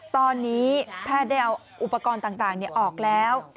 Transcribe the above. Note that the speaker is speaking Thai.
ตอนนี้แพทย์ได้เอาอุปกรณ์ต่างออกแล้ว